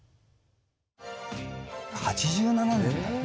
８７年だって。